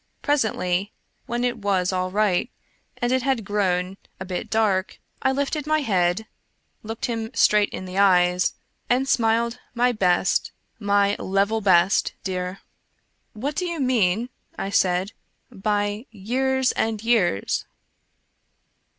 Presently, when it was all right, and it had grown a bit 1 02 Ambrose Bicrce dark, I lifted my head, looked him straight in the eyes, and smiled my best — my level best, dear. " What do you mean," I said, " by ' years and years